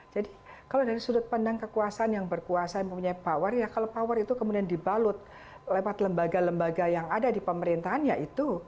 jadi kalau dari sudut pandang kekuasaan yang berkuasa yang punya power ya kalau power itu kemudian dibalut lewat lembaga lembaga yang ada di pemerintahan ya itu